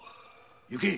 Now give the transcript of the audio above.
行け